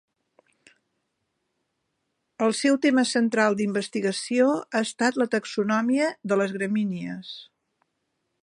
El seu tema central d'investigació ha estat la taxonomia de les gramínies.